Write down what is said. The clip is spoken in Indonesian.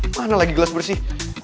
mana lagi gelas bersih